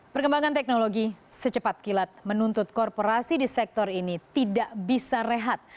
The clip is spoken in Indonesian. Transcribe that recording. perkembangan teknologi secepat kilat menuntut korporasi di sektor ini tidak bisa rehat